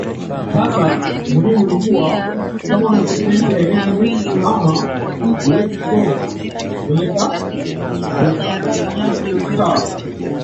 Wakati akihutubia Mkutano wa ishirini na mbili wa Wakuu wa Nchi wa Jumuiya ya Afrika Mashariki mjini Arusha mwezi uliopita